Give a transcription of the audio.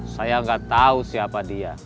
saya gak tau siapa dia